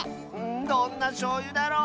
どんなしょうゆだろう。